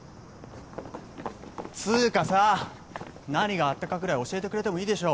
つうかさぁ何があったかくらい教えてくれてもいいでしょ？